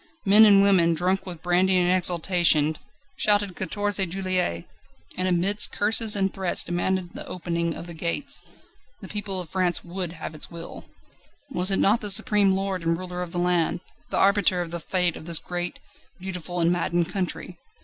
Men and women, drunk with brandy and exultation, shouted "Quatorze Juillet!" and amidst curses and threats demanded the opening of the gates. The people of France would have its will. Was it not the supreme lord and ruler of the land, the arbiter of the Fate of this great, beautiful, and maddened country?